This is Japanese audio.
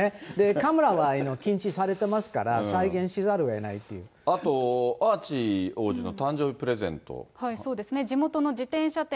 カメラは禁止されてますから、あと、アーチー王子の誕生日そうですね、地元の自転車店